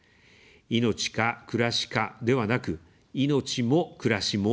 「命か、暮らしか」ではなく、「命も、暮らしも」